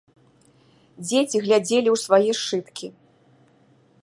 Дзеці глядзелі ў свае сшыткі.